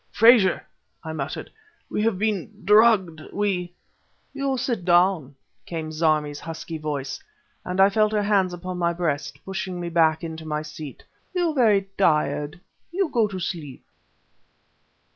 "Frazer!" I muttered "we've been drugged! we ..." "You sit down," came Zarmi's husky voice, and I felt her hands upon my breast, pushing me back into my seat. "You very tired ... you go to sleep...."